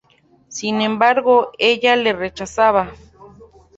Sin embargo, ella le rechaza.